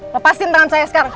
lepasin tangan saya sekarang